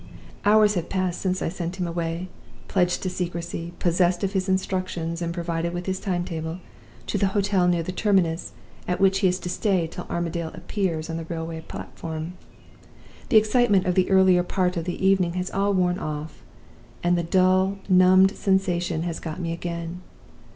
"Hours have passed since I sent him away (pledged to secrecy, possessed of his instructions, and provided with his time table) to the hotel near the terminus, at which he is to stay till Armadale appears on the railway platform. The excitement of the earlier part of the evening has all worn off; and the dull, numbed sensation has got me again.